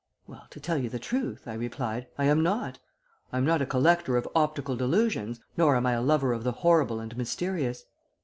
"'Well, to tell you the truth,' I replied, 'I am not. I am not a collector of optical delusions, nor am I a lover of the horrible and mysterious.'